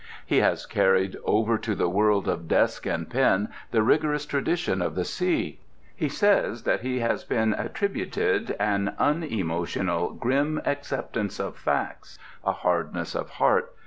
He has carried over to the world of desk and pen the rigorous tradition of the sea. He says that he has been attributed an unemotional, grim acceptance of facts, a hardness of heart.